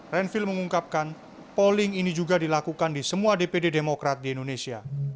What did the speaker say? renvil mengungkapkan polling ini juga dilakukan di semua dpd demokrat di indonesia